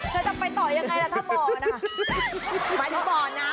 เธอจะไปต่อยังไงถ้าบ่น่ะ